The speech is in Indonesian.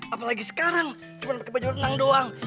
apalagi sekarang cuma pakai baju renang doang